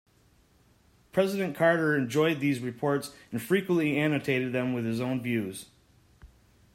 President Carter enjoyed these reports and frequently annotated them with his own views.